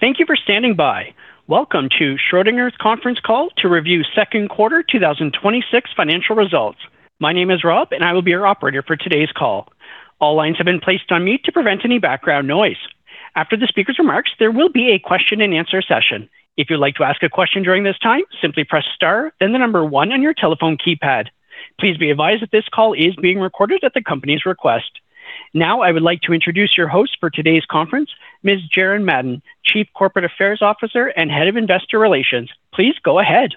Thank you for standing by. Welcome to Schrödinger's conference call to review second quarter 2026 financial results. My name is Rob and I will be your operator for today's call. All lines have been placed on mute to prevent any background noise. After the speaker's remarks, there will be a question and answer session. If you'd like to ask a question during this time, simply press star then the number one on your telephone keypad. Please be advised that this call is being recorded at the company's request. Now, I would like to introduce your host for today's conference, Ms. Jaren Madden, Chief Corporate Affairs Officer and Head of Investor Relations. Please go ahead.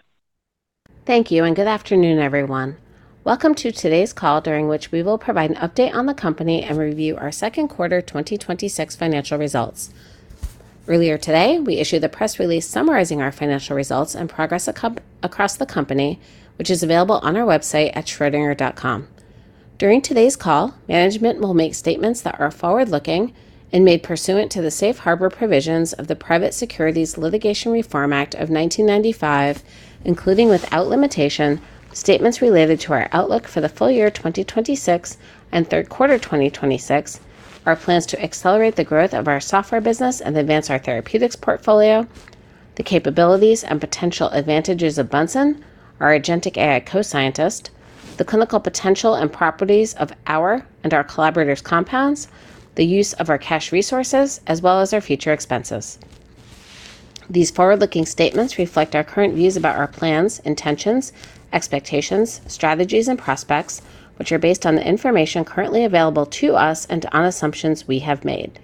Thank you. Good afternoon, everyone. Welcome to today's call, during which we will provide an update on the company and review our second quarter 2026 financial results. Earlier today, we issued the press release summarizing our financial results and progress across the company, which is available on our website at schrodinger.com. During today's call, management will make statements that are forward-looking and made pursuant to the safe harbor provisions of the Private Securities Litigation Reform Act of 1995, including, without limitation, statements related to our outlook for the full year 2026 and third quarter 2026, our plans to accelerate the growth of our software business and advance our therapeutics portfolio, the capabilities and potential advantages of Bunsen, our agentic AI co-scientist, the clinical potential and properties of our and our collaborators' compounds, the use of our cash resources, as well as our future expenses. These forward-looking statements reflect our current views about our plans, intentions, expectations, strategies, and prospects, which are based on the information currently available to us and on assumptions we have made.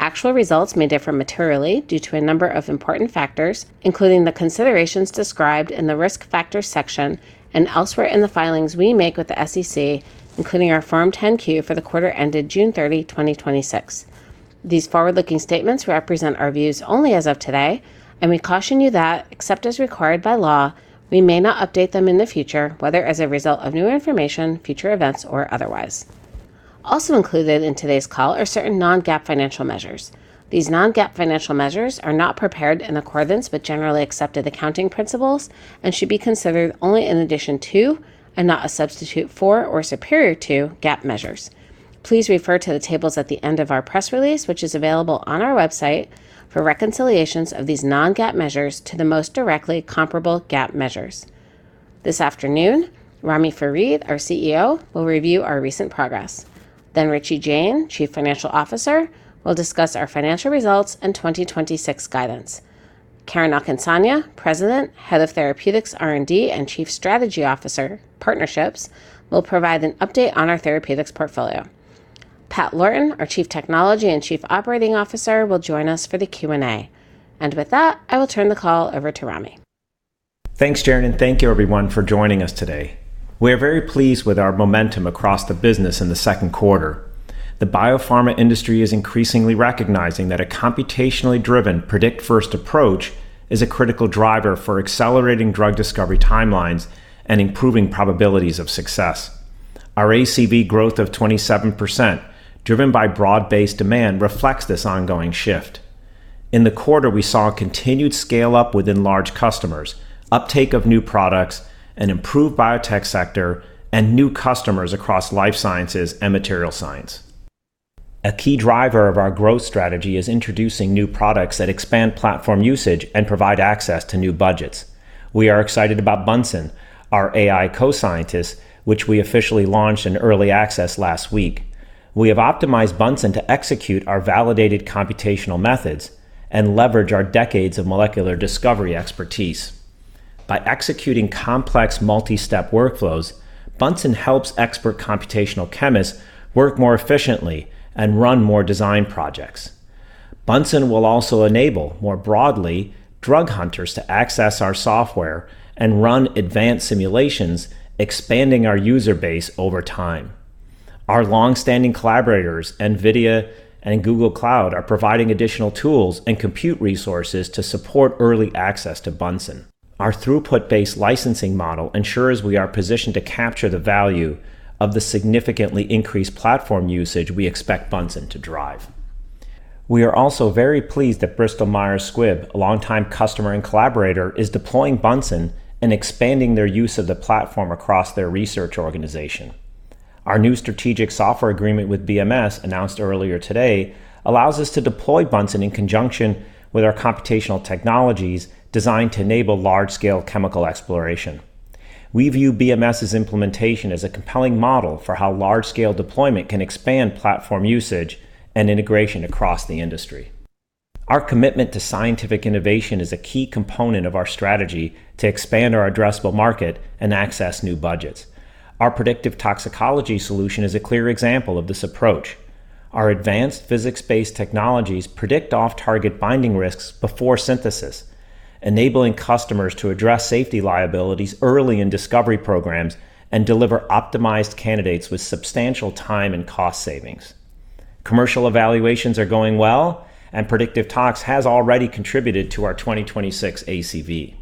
Actual results may differ materially due to a number of important factors, including the considerations described in the risk factors section and elsewhere in the filings we make with the SEC, including our Form 10-Q for the quarter ended June 30, 2026. These forward-looking statements represent our views only as of today, and we caution you that, except as required by law, we may not update them in the future, whether as a result of new information, future events, or otherwise. Also included in today's call are certain non-GAAP financial measures. These non-GAAP financial measures are not prepared in accordance with generally accepted accounting principles and should be considered only in addition to, and not a substitute for or superior to, GAAP measures. Please refer to the tables at the end of our press release, which is available on our website for reconciliations of these non-GAAP measures to the most directly comparable GAAP measures. This afternoon, Ramy Farid, our CEO, will review our recent progress. Richie Jain, Chief Financial Officer, will discuss our financial results and 2026 guidance. Karen Akinsanya, President, Head of Therapeutics R&D, and Chief Strategy Officer Partnerships, will provide an update on our therapeutics portfolio. Pat Lorton, our Chief Technology and Chief Operating Officer, will join us for the Q&A. With that, I will turn the call over to Ramy. Thanks, Jaren, and thank you, everyone, for joining us today. We are very pleased with our momentum across the business in the second quarter. The biopharma industry is increasingly recognizing that a computationally driven predict-first approach is a critical driver for accelerating drug discovery timelines and improving probabilities of success. Our ACV growth of 27%, driven by broad-based demand, reflects this ongoing shift. In the quarter, we saw continued scale-up within large customers, uptake of new products, an improved biotech sector, and new customers across life sciences and materials science. A key driver of our growth strategy is introducing new products that expand platform usage and provide access to new budgets. We are excited about Bunsen, our AI co-scientist, which we officially launched in early access last week. We have optimized Bunsen to execute our validated computational methods and leverage our decades of molecular discovery expertise. By executing complex multi-step workflows, Bunsen helps expert computational chemists work more efficiently and run more design projects. Bunsen will also enable, more broadly, drug hunters to access our software and run advanced simulations, expanding our user base over time. Our longstanding collaborators, NVIDIA and Google Cloud, are providing additional tools and compute resources to support early access to Bunsen. Our throughput-based licensing model ensures we are positioned to capture the value of the significantly increased platform usage we expect Bunsen to drive. We are also very pleased that Bristol Myers Squibb, a longtime customer and collaborator, is deploying Bunsen and expanding their use of the platform across their research organization. Our new strategic software agreement with BMS, announced earlier today, allows us to deploy Bunsen in conjunction with our computational technologies designed to enable large-scale chemical exploration. We view BMS's implementation as a compelling model for how large-scale deployment can expand platform usage and integration across the industry. Our commitment to scientific innovation is a key component of our strategy to expand our addressable market and access new budgets. Our Predictive Toxicology solution is a clear example of this approach. Our advanced physics-based technologies predict off-target binding risks before synthesis, enabling customers to address safety liabilities early in discovery programs and deliver optimized candidates with substantial time and cost savings. Commercial evaluations are going well, and predictive tox has already contributed to our 2026 ACV.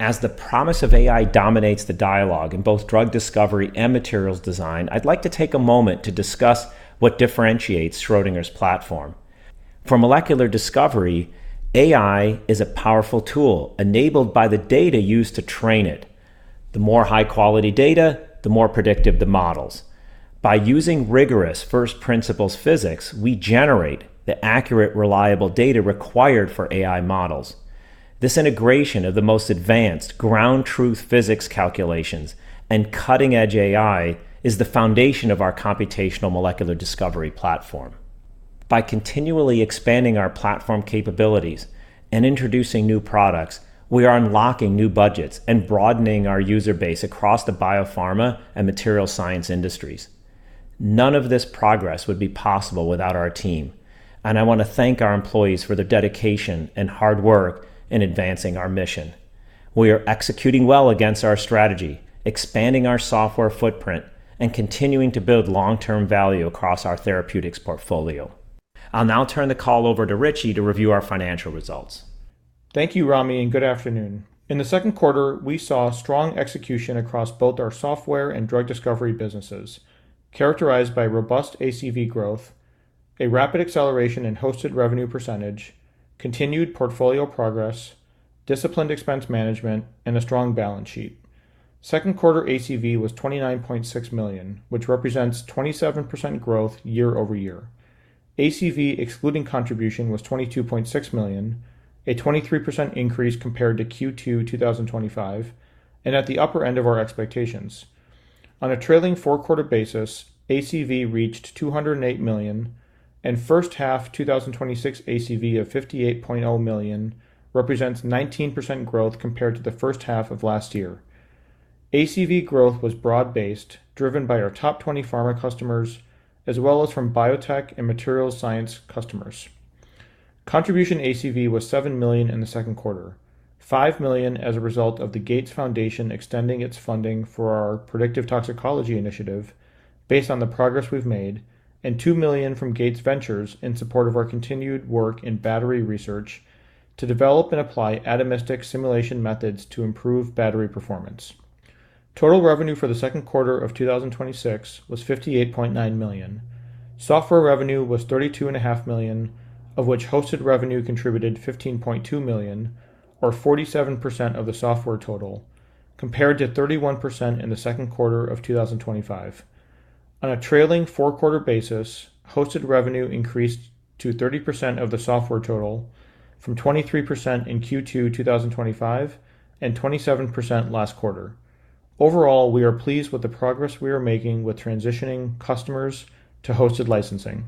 As the promise of AI dominates the dialogue in both drug discovery and materials design, I'd like to take a moment to discuss what differentiates Schrödinger's platform. For molecular discovery, AI is a powerful tool enabled by the data used to train it. The more high-quality data, the more predictive the models. By using rigorous first principles physics, we generate the accurate, reliable data required for AI models. This integration of the most advanced ground truth physics calculations and cutting-edge AI is the foundation of our computational molecular discovery platform. By continually expanding our platform capabilities and introducing new products, we are unlocking new budgets and broadening our user base across the biopharma and material science industries. None of this progress would be possible without our team, and I want to thank our employees for their dedication and hard work in advancing our mission. We are executing well against our strategy, expanding our software footprint, and continuing to build long-term value across our therapeutics portfolio. I'll now turn the call over to Richie to review our financial results. Thank you, Rami, and good afternoon. In the second quarter, we saw strong execution across both our software and drug discovery businesses, characterized by robust ACV growth, a rapid acceleration in hosted revenue percentage, continued portfolio progress, disciplined expense management, and a strong balance sheet. Second quarter ACV was $29.6 million, which represents 27% growth year-over-year. ACV excluding contribution was $22.6 million, a 23% increase compared to Q2 2025 and at the upper end of our expectations. On a trailing four-quarter basis, ACV reached $208 million and first half 2026 ACV of $58.0 million represents 19% growth compared to the first half of last year. ACV growth was broad-based, driven by our top 20 pharma customers as well as from biotech and material science customers. Contribution ACV was $7 million in the second quarter, $5 million as a result of the Gates Foundation extending its funding for our Predictive Toxicology initiative based on the progress we've made and $2 million from Gates Ventures in support of our continued work in battery research to develop and apply atomistic simulation methods to improve battery performance. Total revenue for the second quarter of 2026 was $58.9 million. Software revenue was $32.5 million, of which hosted revenue contributed $15.2 million or 47% of the software total, compared to 31% in the second quarter of 2025. On a trailing four-quarter basis, hosted revenue increased to 30% of the software total from 23% in Q2 2025 and 27% last quarter. Overall, we are pleased with the progress we are making with transitioning customers to hosted licensing.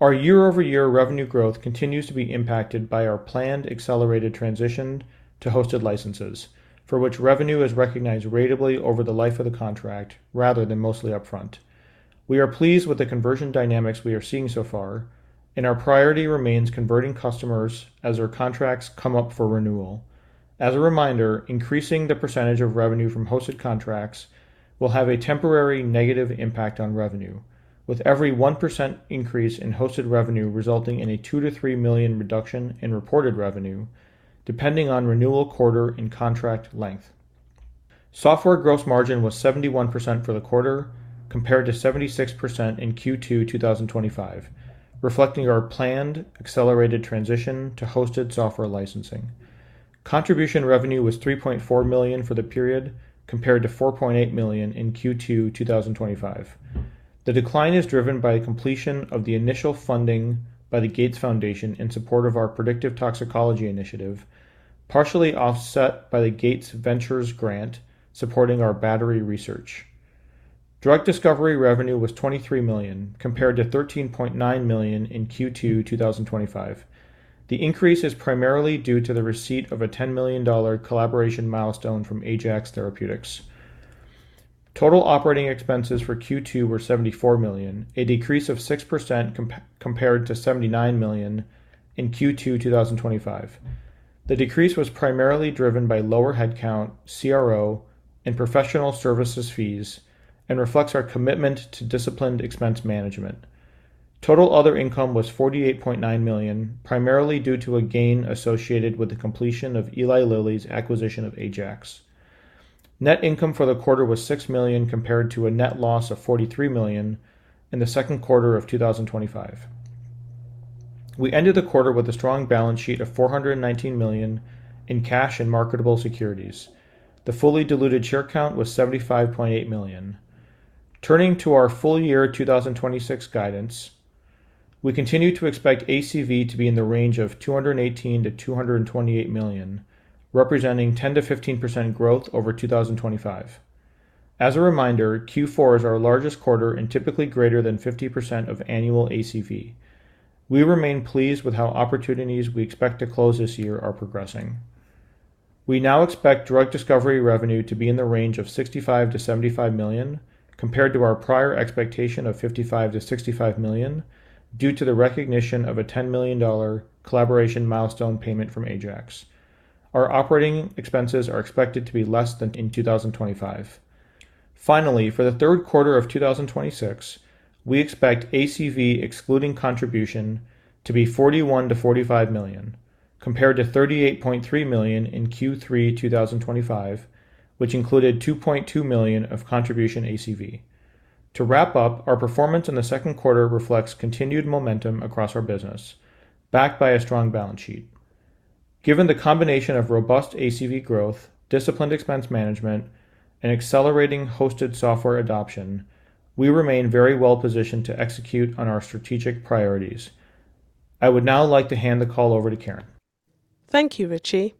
Our year-over-year revenue growth continues to be impacted by our planned accelerated transition to hosted licenses, for which revenue is recognized ratably over the life of the contract rather than mostly upfront. We are pleased with the conversion dynamics we are seeing so far, and our priority remains converting customers as their contracts come up for renewal. As a reminder, increasing the percentage of revenue from hosted contracts will have a temporary negative impact on revenue, with every 1% increase in hosted revenue resulting in a $2 million-$3 million reduction in reported revenue, depending on renewal quarter and contract length. Software gross margin was 71% for the quarter compared to 76% in Q2 2025, reflecting our planned accelerated transition to hosted software licensing. Contribution revenue was $3.4 million for the period, compared to $4.8 million in Q2 2025. The decline is driven by the completion of the initial funding by the Gates Foundation in support of our Predictive Toxicology initiative, partially offset by the Gates Ventures grant supporting our battery research. Drug discovery revenue was $23 million, compared to $13.9 million in Q2 2025. The increase is primarily due to the receipt of a $10 million collaboration milestone from Ajax Therapeutics. Total operating expenses for Q2 were $74 million, a decrease of 6% compared to $79 million in Q2 2025. The decrease was primarily driven by lower headcount, CRO, and professional services fees and reflects our commitment to disciplined expense management. Total other income was $48.9 million, primarily due to a gain associated with the completion of Eli Lilly's acquisition of Ajax. Net income for the quarter was $6 million, compared to a net loss of $43 million in the second quarter of 2025. We ended the quarter with a strong balance sheet of $419 million in cash and marketable securities. The fully diluted share count was 75.8 million. Turning to our full year 2026 guidance, we continue to expect ACV to be in the range of $218 million-$228 million, representing 10%-15% growth over 2025. As a reminder, Q4 is our largest quarter and typically greater than 50% of annual ACV. We remain pleased with how opportunities we expect to close this year are progressing. We now expect drug discovery revenue to be in the range of $65 million-$75 million, compared to our prior expectation of $55 million-$65 million, due to the recognition of a $10 million collaboration milestone payment from Ajax. Our operating expenses are expected to be less than in 2025. For the third quarter of 2026, we expect ACV excluding contribution to be $41 million-$45 million, compared to $38.3 million in Q3 2025, which included $2.2 million of contribution ACV. To wrap up, our performance in the second quarter reflects continued momentum across our business, backed by a strong balance sheet. Given the combination of robust ACV growth, disciplined expense management, and accelerating hosted software adoption, we remain very well positioned to execute on our strategic priorities. I would now like to hand the call over to Karen. Thank you, Richie.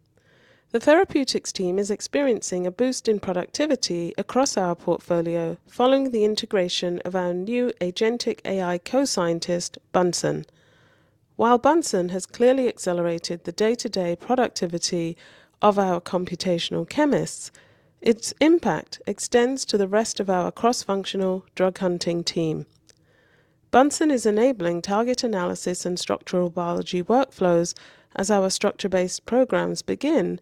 The therapeutics team is experiencing a boost in productivity across our portfolio following the integration of our new agentic AI co-scientist, Bunsen. Bunsen has clearly accelerated the day-to-day productivity of our computational chemists, its impact extends to the rest of our cross-functional drug hunting team. Bunsen is enabling target analysis and structural biology workflows as our structure-based programs begin,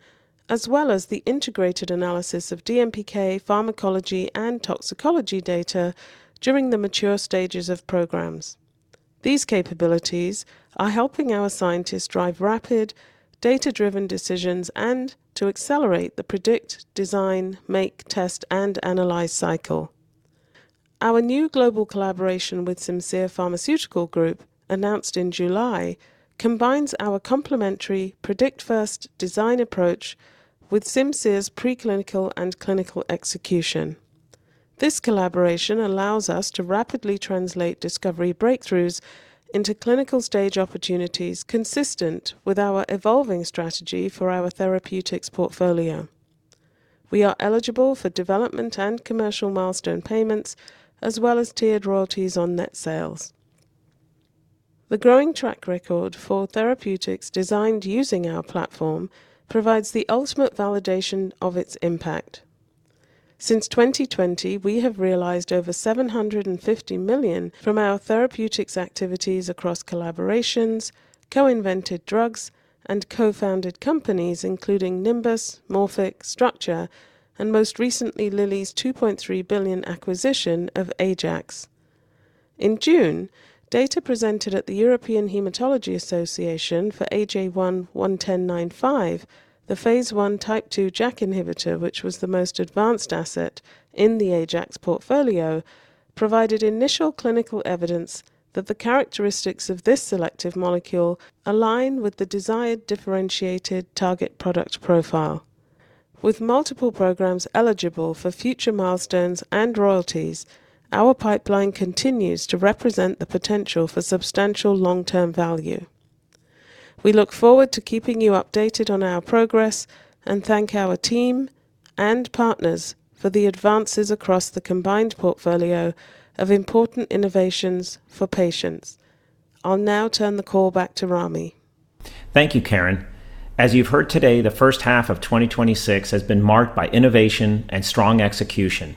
as well as the integrated analysis of DMPK, pharmacology, and toxicology data during the mature stages of programs. These capabilities are helping our scientists drive rapid data-driven decisions and to accelerate the predict, design, make, test, and analyze cycle. Our new global collaboration with Simcere Pharmaceutical Group, announced in July, combines our complementary predict-first design approach with Simcere's pre-clinical and clinical execution. This collaboration allows us to rapidly translate discovery breakthroughs into clinical stage opportunities consistent with our evolving strategy for our therapeutics portfolio. We are eligible for development and commercial milestone payments, as well as tiered royalties on net sales. The growing track record for therapeutics designed using our platform provides the ultimate validation of its impact. Since 2020, we have realized over $750 million from our therapeutics activities across collaborations, co-invented drugs, and co-founded companies, including Nimbus, Morphic, Structure, and most recently, Lilly's $2.3 billion acquisition of Ajax. In June, data presented at the European Hematology Association for AJ11095, the phase I type 2 JAK inhibitor, which was the most advanced asset in the Ajax portfolio, provided initial clinical evidence that the characteristics of this selective molecule align with the desired differentiated target product profile. With multiple programs eligible for future milestones and royalties, our pipeline continues to represent the potential for substantial long-term value. We look forward to keeping you updated on our progress and thank our team and partners for the advances across the combined portfolio of important innovations for patients. I'll now turn the call back to Ramy. Thank you, Karen. As you've heard today, the first half of 2026 has been marked by innovation and strong execution.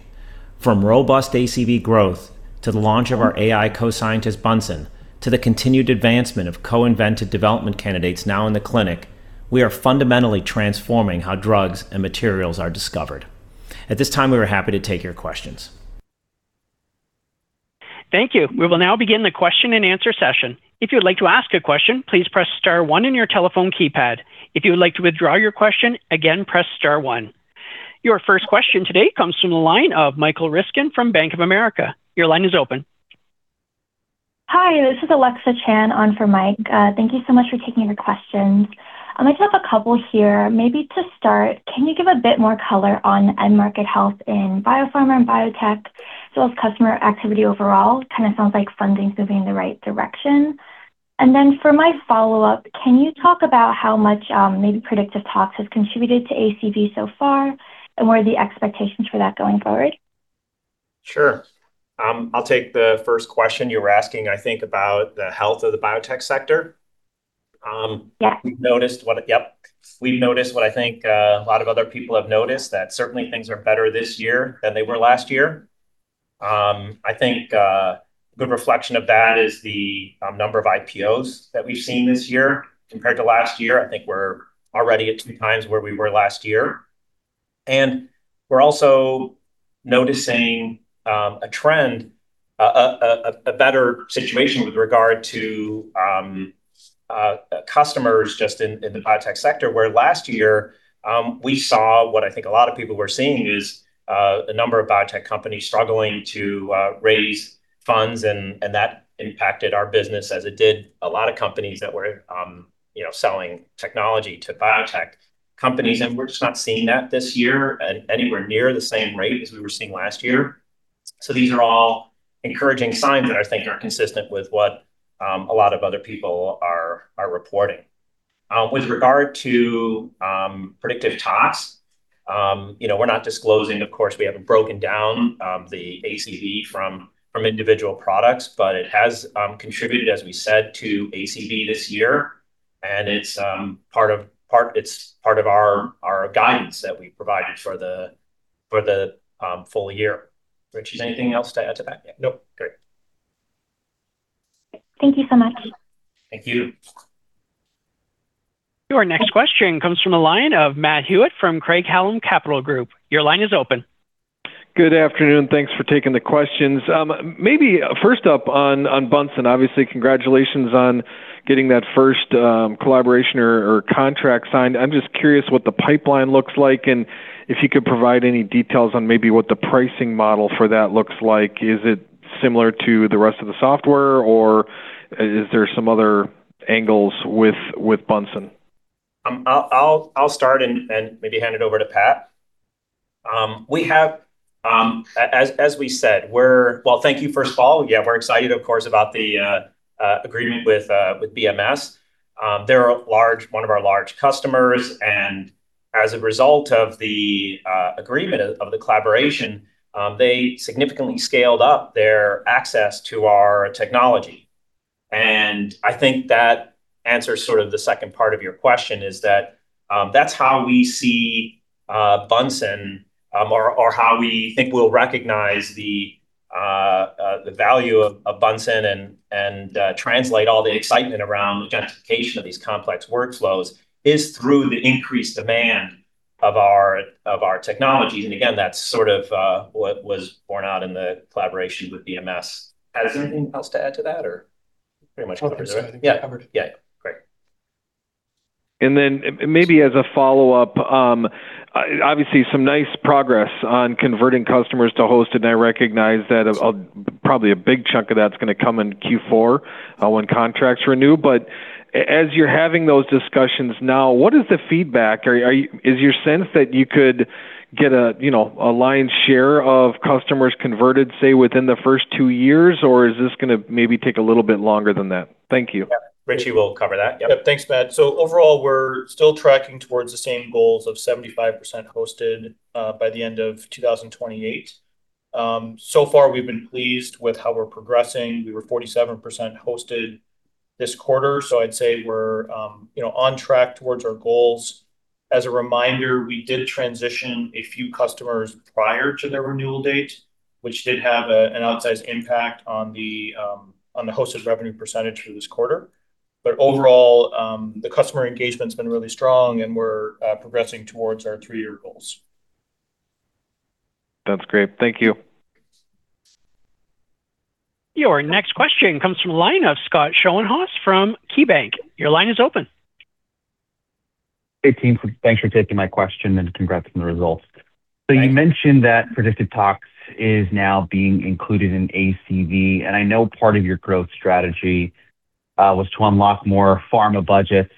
From robust ACV growth to the launch of our AI co-scientist, Bunsen, to the continued advancement of co-invented development candidates now in the clinic, we are fundamentally transforming how drugs and materials are discovered. At this time, we are happy to take your questions. Thank you. We will now begin the question and answer session. If you would like to ask a question, please press star one on your telephone keypad. If you would like to withdraw your question, again, press star one. Your first question today comes from the line of Michael Ryskin from Bank of America. Your line is open. Hi, this is Alexa Chan on for Mike. Thank you so much for taking the questions. I have a couple here. Maybe to start, can you give a bit more color on end market health in biopharma and biotech as well as customer activity overall? Kind of sounds like funding's moving in the right direction. Then for my follow-up, can you talk about how much maybe Predictive Tox has contributed to ACV so far, and what are the expectations for that going forward? Sure. I'll take the first question. You were asking, I think, about the health of the biotech sector. Yeah. We've noticed what I think a lot of other people have noticed, that certainly things are better this year than they were last year. I think a good reflection of that is the number of IPOs that we've seen this year compared to last year. I think we're already at two times where we were last year. We're also noticing a trend, a better situation with regard to customers just in the biotech sector, where last year we saw what I think a lot of people were seeing is the number of biotech companies struggling to raise funds and that impacted our business as it did a lot of companies that were selling technology to biotech companies, and we're just not seeing that this year at anywhere near the same rate as we were seeing last year. These are all encouraging signs that I think are consistent with what a lot of other people are reporting. With regard to Predictive Tox, we're not disclosing, of course, we haven't broken down the ACV from individual products, but it has contributed, as we said, to ACV this year, and it's part of our guidance that we provided for the full year. Richie, is there anything else to add to that? Nope. Great. Thank you so much. Thank you. Your next question comes from the line of Matt Hewitt from Craig-Hallum Capital Group. Your line is open. Good afternoon. Thanks for taking the questions. Maybe first up on Bunsen, obviously, congratulations on getting that first collaboration or contract signed. I'm just curious what the pipeline looks like and if you could provide any details on maybe what the pricing model for that looks like. Is it similar to the rest of the software, or is there some other angles with Bunsen? I'll start and maybe hand it over to Pat. As we said, well, thank you, first of all. Yeah, we're excited, of course, about the agreement with BMS. They're one of our large customers, and as a result of the agreement of the collaboration, they significantly scaled up their access to our technology. I think that answers the second part of your question is that's how we see Bunsen or how we think we'll recognize the value of Bunsen and translate all the excitement around the gentrification of these complex workflows is through the increased demand of our technologies. Again, that's sort of what was borne out in the collaboration with BMS. Is there anything else to add to that or pretty much covered? I think it's covered. Yeah. Great. Maybe as a follow-up, obviously some nice progress on converting customers to hosted, and I recognize that probably a big chunk of that's going to come in Q4 when contracts renew. As you're having those discussions now, what is the feedback? Is your sense that you could get a lion's share of customers converted, say, within the first two years? Or is this going to maybe take a little bit longer than that? Thank you. Richie will cover that. Yep. Yep, thanks, Matt. Overall, we're still tracking towards the same goals of 75% hosted by the end of 2028. So far, we've been pleased with how we're progressing. We were 47% hosted this quarter, I'd say we're on track towards our goals. As a reminder, we did transition a few customers prior to their renewal date, which did have an outsized impact on the hosted revenue percentage for this quarter. Overall, the customer engagement's been really strong, and we're progressing towards our three-year goals. That's great. Thank you. Your next question comes from the line of Scott Schoenhaus from KeyBank. Your line is open. Hey, team. Thanks for taking my question and congrats on the results. Thanks. You mentioned that Predictive Tox is now being included in ACV, and I know part of your growth strategy was to unlock more pharma budgets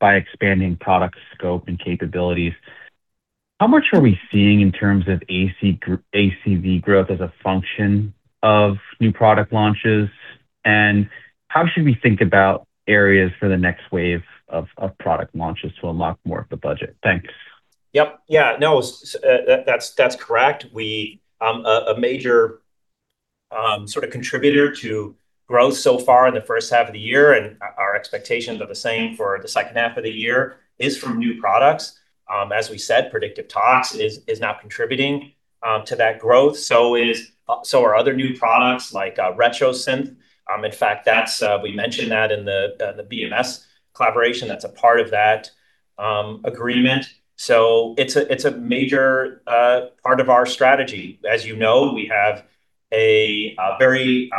by expanding product scope and capabilities. How much are we seeing in terms of ACV growth as a function of new product launches, and how should we think about areas for the next wave of product launches to unlock more of the budget? Thanks. Yep. Yeah. No, that's correct. A major sort of contributor to growth so far in the first half of the year, and our expectations are the same for the second half of the year, is from new products. As we said, Predictive Tox is now contributing to that growth. So are other new products like RetroSynth. In fact, we mentioned that in the BMS collaboration. That's a part of that agreement. It's a major part of our strategy. As you know, we have a very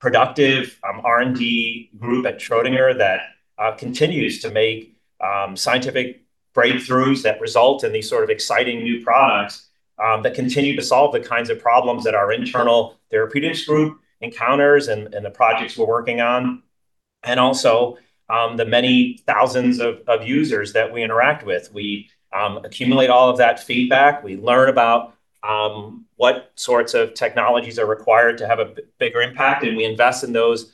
productive R&D group at Schrödinger that continues to make scientific breakthroughs that result in these sort of exciting new products that continue to solve the kinds of problems that our internal therapeutics group encounters and the projects we're working on. Also, the many thousands of users that we interact with. We accumulate all of that feedback. We learn about what sorts of technologies are required to have a bigger impact. We invest in those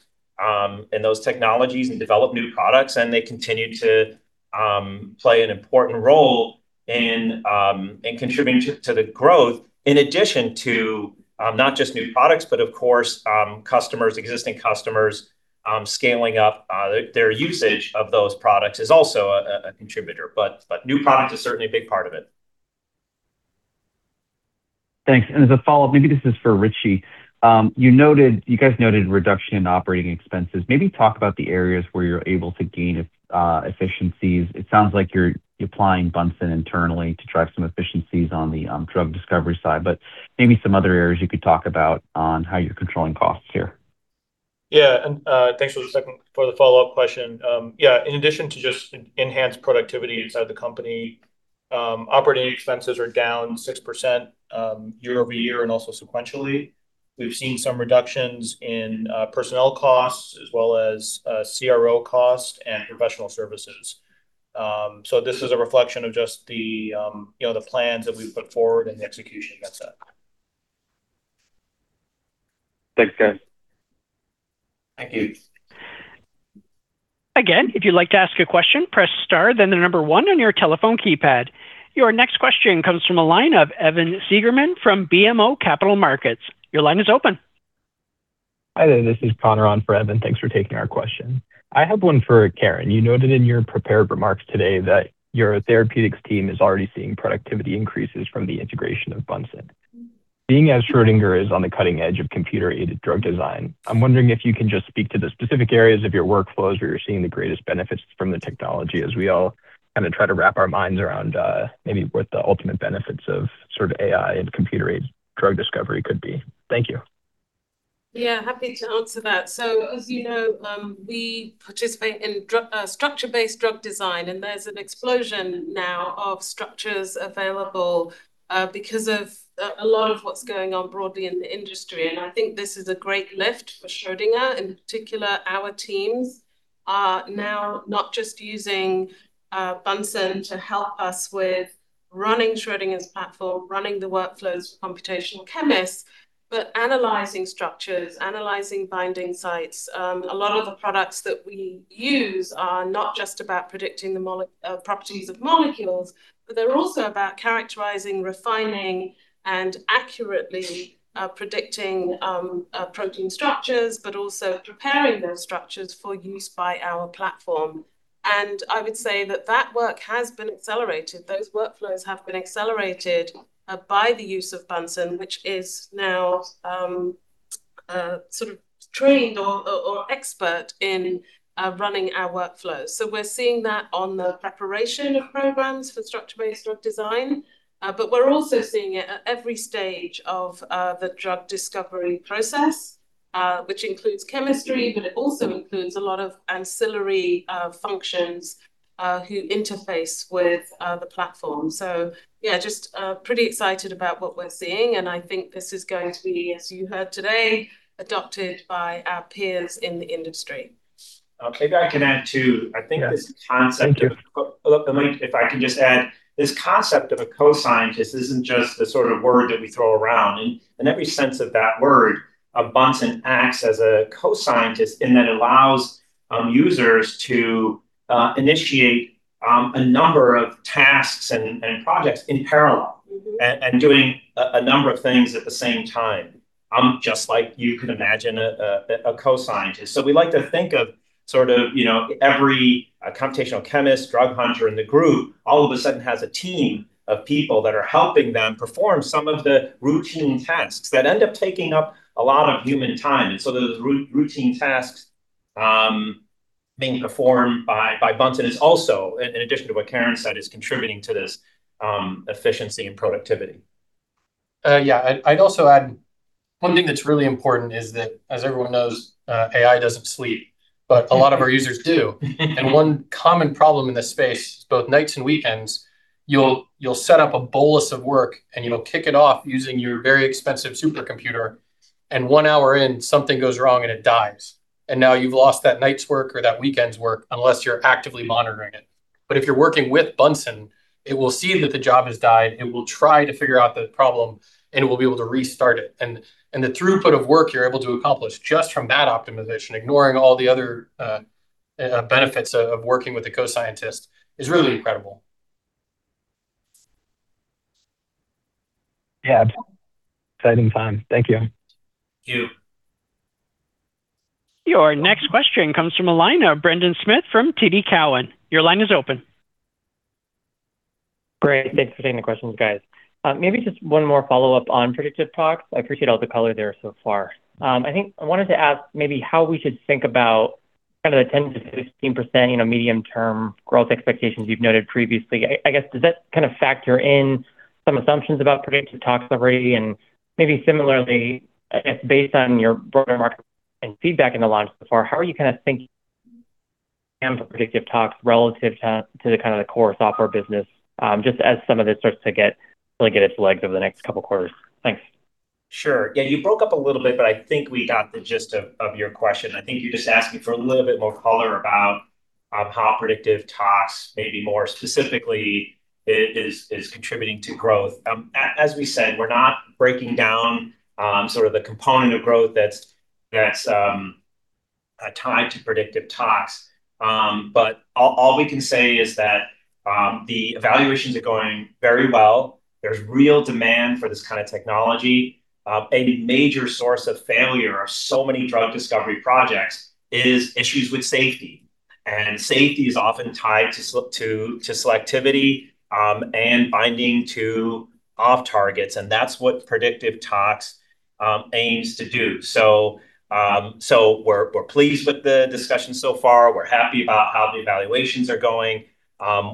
technologies and develop new products. They continue to play an important role in contributing to the growth, in addition to not just new products but of course, existing customers scaling up their usage of those products is also a contributor. New products is certainly a big part of it. Thanks. As a follow-up, maybe this is for Richie. You guys noted reduction in operating expenses. Maybe talk about the areas where you're able to gain efficiencies. It sounds like you're applying Bunsen internally to drive some efficiencies on the drug discovery side. Maybe some other areas you could talk about on how you're controlling costs here. Thanks for the follow-up question. In addition to just enhanced productivity inside the company, operating expenses are down 6% year-over-year and also sequentially. We've seen some reductions in personnel costs as well as CRO costs and professional services. This is a reflection of just the plans that we've put forward and the execution against that. Thanks, guys. Thank you. Again, if you'd like to ask a question, press star then the number one on your telephone keypad. Your next question comes from the line of Evan Seigerman from BMO Capital Markets. Your line is open. Hi there. This is Connor on for Evan. Thanks for taking our question. I have one for Karen. You noted in your prepared remarks today that your therapeutics team is already seeing productivity increases from the integration of Bunsen. Being as Schrödinger is on the cutting edge of computer-aided drug design, I'm wondering if you can just speak to the specific areas of your workflows where you're seeing the greatest benefits from the technology as we all kind of try to wrap our minds around maybe what the ultimate benefits of sort of AI and computer-aided drug discovery could be. Thank you. Yeah, happy to answer that. As you know, we participate in structure-based drug design, and there's an explosion now of structures available because of a lot of what's going on broadly in the industry. I think this is a great lift for Schrödinger. In particular, our teams are now not just using Bunsen to help us with running Schrödinger's platform, running the workflows for computational chemists, but analyzing structures, analyzing binding sites. A lot of the products that we use are not just about predicting the properties of molecules, but they're also about characterizing, refining, and accurately predicting protein structures, but also preparing those structures for use by our platform. I would say that that work has been accelerated. Those workflows have been accelerated by the use of Bunsen, which is now sort of trained or expert in running our workflows. We're seeing that on the preparation of programs for structure-based drug design. We're also seeing it at every stage of the drug discovery process, which includes chemistry, but it also includes a lot of ancillary functions who interface with the platform. Yeah, just pretty excited about what we're seeing, and I think this is going to be, as you heard today, adopted by our peers in the industry. Maybe I can add, too. I think this concept. Thank you If I can just add, this concept of a co-scientist isn't just a sort of word that we throw around. In every sense of that word, Bunsen acts as a co-scientist in that it allows users to initiate a number of tasks and projects in parallel, doing a number of things at the same time, just like you could imagine a co-scientist. We like to think of every computational chemist, drug hunter in the group all of a sudden has a team of people that are helping them perform some of the routine tasks that end up taking up a lot of human time. Those routine tasks being performed by Bunsen is also, in addition to what Karen said, is contributing to this efficiency and productivity. Yeah. I'd also add one thing that's really important is that, as everyone knows, AI doesn't sleep, but a lot of our users do. One common problem in this space is both nights and weekends, you'll set up a bolus of work, and you'll kick it off using your very expensive supercomputer, and one hour in, something goes wrong and it dies, and now you've lost that night's work or that weekend's work unless you're actively monitoring it. If you're working with Bunsen, it will see that the job has died, it will try to figure out the problem, and it will be able to restart it. The throughput of work you're able to accomplish just from that optimization, ignoring all the other benefits of working with a co-scientist, is really incredible. Yeah. Exciting time. Thank you. Thank you. Your next question comes from the line of Brendan Smith from TD Cowen. Your line is open. Great. Thanks for taking the questions, guys. Maybe just one more follow-up on PredictiveTox. I appreciate all the color there so far. I think I wanted to ask maybe how we should think about kind of the 10%-15% medium-term growth expectations you've noted previously. I guess, does that kind of factor in some assumptions about PredictiveTox already? Maybe similarly, I guess based on your broader market and feedback in the launch so far, how are you kind of thinking of PredictiveTox relative to the kind of the core software business, just as some of this starts to get its legs over the next couple quarters? Thanks. Sure. Yeah, you broke up a little bit, but I think we got the gist of your question. I think you're just asking for a little bit more color about how PredictiveTox, maybe more specifically, is contributing to growth. As we said, we're not breaking down sort of the component of growth that's tied to PredictiveTox. All we can say is that the evaluations are going very well. There's real demand for this kind of technology. A major source of failure of so many drug discovery projects is issues with safety, and safety is often tied to selectivity and binding to off targets, and that's what PredictiveTox aims to do. We're pleased with the discussion so far. We're happy about how the evaluations are going.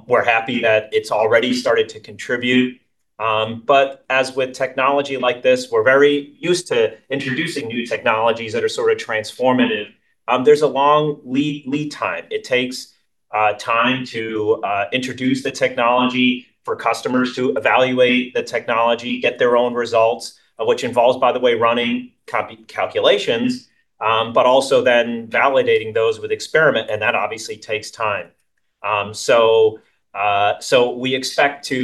We're happy that it's already started to contribute. As with technology like this, we're very used to introducing new technologies that are sort of transformative. There's a long lead time. It takes time to introduce the technology for customers to evaluate the technology, get their own results, which involves, by the way, running copy calculations, but also then validating those with experiment, and that obviously takes time. We expect for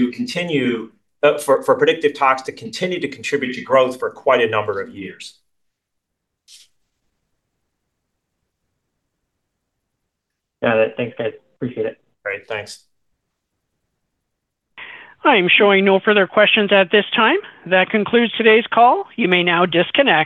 PredictiveTox to continue to contribute to growth for quite a number of years. Got it. Thanks, guys. Appreciate it. Great. Thanks. I am showing no further questions at this time. That concludes today's call. You may now disconnect